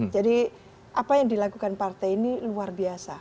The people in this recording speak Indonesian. jadi apa yang dilakukan partai ini luar biasa